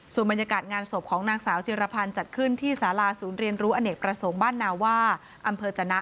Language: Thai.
ส่วนบรรยากาศงานศพของนางสาวจิรพันธ์จัดขึ้นที่สาราศูนย์เรียนรู้อเนกประสงค์บ้านนาว่าอำเภอจนะ